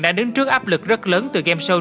đã đứng trước áp lực rất lớn từ game show